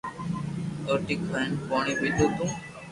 روٽي کائين پوڻي پيڌو تو